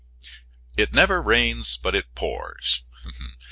"It never rains but it pours."